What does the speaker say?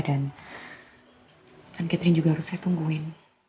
dan catherine juga harus saya tungguin